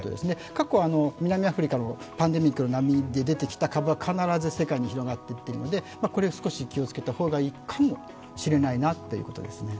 過去南アフリカのパンデミックの波で出てきた株は必ず世界に広がっていっているので、これを少し気をつけた方がいいかもしれないなということですね。